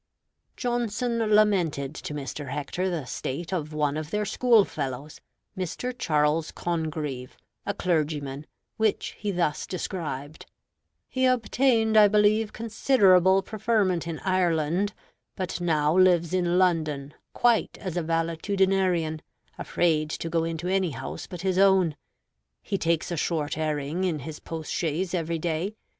Johnson lamented to Mr. Hector the state of one of their schoolfellows, Mr. Charles Congreve, a clergyman, which he thus described: "He obtained, I believe, considerable preferment in Ireland, but now lives in London, quite as a valetudinarian, afraid to go into any house but his own. He takes a short airing in his post chaise every day.